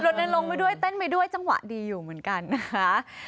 ลงไปด้วยเต้นไปด้วยจังหวะดีอยู่เหมือนกันนะคะ